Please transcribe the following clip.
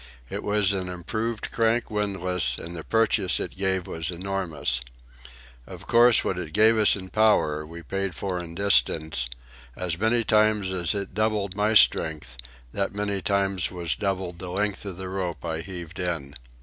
It was an improved crank windlass, and the purchase it gave was enormous. Of course, what it gave us in power we paid for in distance; as many times as it doubled my strength, that many times was doubled the length of rope I heaved in.